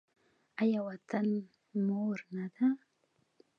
آیا وطن مور نه ده؟